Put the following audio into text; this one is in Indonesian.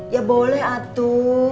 ya boleh atu